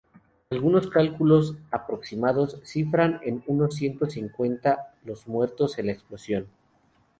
Algunos cálculos aproximados cifran en unos ciento cincuenta los muertos en la explosión.